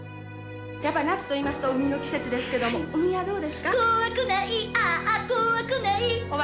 やっぱり夏といいますと海の季節ですけども海はどうですか？